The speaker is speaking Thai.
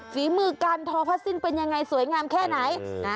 ฝีมือการทอผ้าสิ้นเป็นยังไงสวยงามแค่ไหน